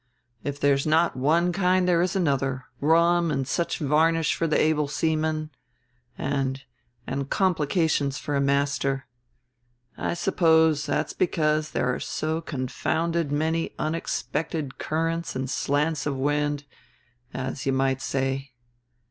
If there's not one kind there is another; rum and such varnish for the able seaman, and and complications for a master. I suppose that's because there are so confounded many unexpected currents and slants of wind, as you might say.